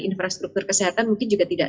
infrastruktur kesehatan mungkin juga tidak